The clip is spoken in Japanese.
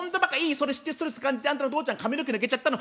それ知ってストレス感じてあんたの父ちゃん髪の毛抜けちゃったの。